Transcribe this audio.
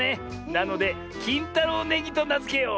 なのできんたろうネギとなづけよう！